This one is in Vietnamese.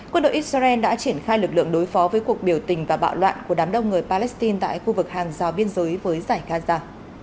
quân đội israel đã triển khai lực lượng đối phó với cuộc biểu tình và bạo loạn của đám đông người palestine tại khu vực hàng rào biên giới với giải gaza